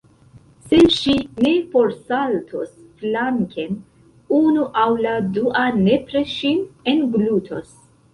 Se ŝi ne forsaltos flanken, unu aŭ la dua nepre ŝin englutos.